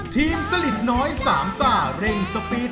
สลิดน้อยสามซ่าเร่งสปีด